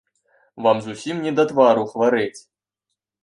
Вам зусім не да твару хварэць.